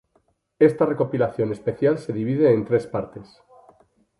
Esta recopilación especial se divide en tres partes.